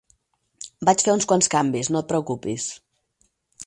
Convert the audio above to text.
Vaig fer uns quants canvis, no et preocupis.